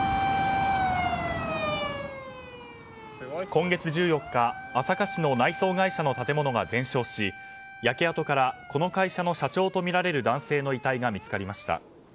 今月１４日、朝霞市の内装会社の建物が全焼し焼け跡からこの会社の社長とみられる男性の遺体が見つかりました。